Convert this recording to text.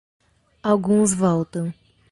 Alguns voltam.